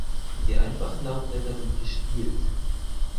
Die einfachen Laubblätter sind gestielt.